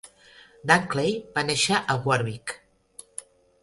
Dunckley va néixer a Warwick.